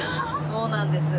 そうなんです。